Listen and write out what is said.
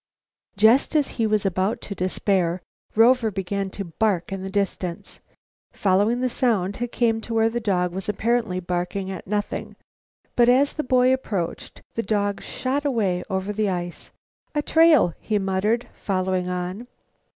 Just as he was about to despair, Rover began to bark in the distance. Following the sound, he came to where the dog was apparently barking at nothing. But as the boy approached, the dog shot away over the ice. "A trail!" he muttered, following on.